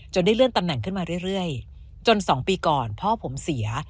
ได้เลื่อนตำแหน่งขึ้นมาเรื่อยจน๒ปีก่อนพ่อผมเสีย